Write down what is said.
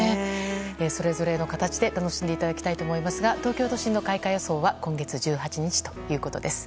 それぞれの形で楽しんでもらいたいと思いますが東京都心の開花予想は今月１８日ということです。